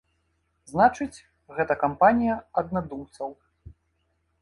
Значыць, гэта кампанія аднадумцаў.